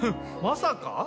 まさか？